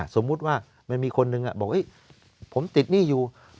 สมมุติว่ามันมีคนหนึ่งบอกผมติดหนี้อยู่